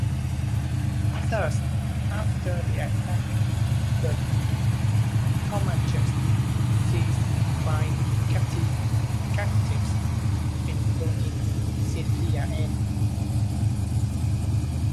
Thus, after the attack, the Comanches seized five captives, including Cynthia Ann.